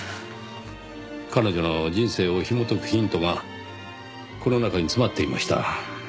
彼女の人生をひも解くヒントがこの中に詰まっていました。